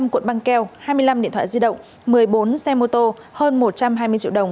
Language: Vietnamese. năm cuộn băng keo hai mươi năm điện thoại di động một mươi bốn xe mô tô hơn một trăm hai mươi triệu đồng